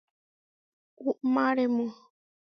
Uʼmáremu.